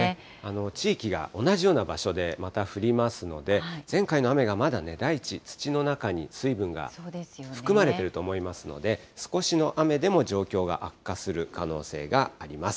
地域が同じような場所でまた降りますので、前回の雨がまだね、大地、土の中に水分が含まれていると思いますので、少しの雨でも状況が悪化する可能性があります。